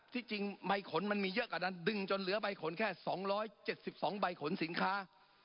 ที่จริงใบขนมันมีเยอะกว่านั้นดึงจนเหลือใบขนแค่๒๗๒ใบขนสินค้า